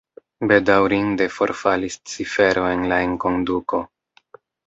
Bedaŭrinde forfalis cifero en la enkonduko.